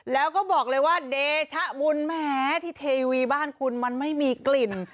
แล้วก็บอกเลยว่าเดชะบุญแหมที่เทวีบ้านคุณมันไม่มีกลิ่น